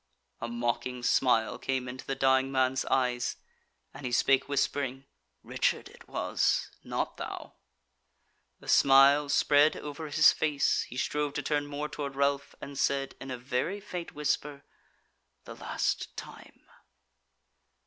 A mocking smile came into the dying man's eyes, and he spake whispering: "Richard it was; not thou." The smile spread over his face, he strove to turn more toward Ralph, and said in a very faint whisper: "The last time!"